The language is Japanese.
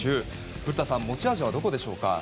古田さん持ち味はどこでしょうか？